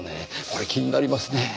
これ気になりますねぇ。